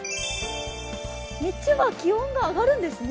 日中は気温が上がるんですね。